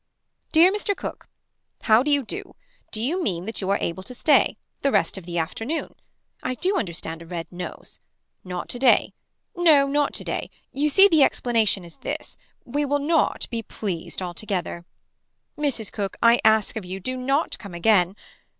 Dear Mr. Cook. How do you do. Do you mean that you are able to stay. The rest of the afternoon. I do understand a red nose. Not today. No not to day. You see the explanation is this. We will not be pleased altogether. Mrs. Cook I ask of you do not come again.